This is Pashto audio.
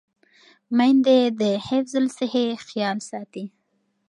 میندې د حفظ الصحې خیال ساتي.